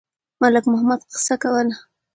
ملک محمد قصه کوله.